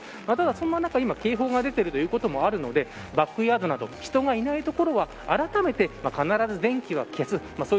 また、そんな中今警報が出ていることもあるのでバックヤードなど人がいない所はあらためて必ず電気は消す。